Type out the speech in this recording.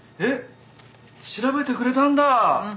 えっ？調べてくれたんだ。